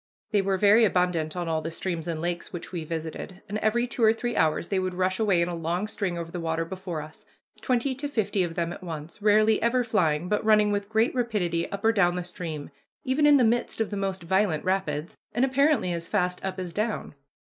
They were very abundant on all the streams and lakes which we visited, and every two or three hours they would rush away in a long string over the water before us, twenty to fifty of them at once, rarely ever flying, but running with great rapidity up or down the stream, even in the midst of the most violent rapids, and apparently as fast up as down.